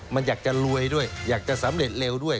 มันอยากจะรวยด้วยอยากจะสำเร็จเร็วด้วย